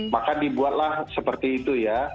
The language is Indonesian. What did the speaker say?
maka dibuatlah seperti itu ya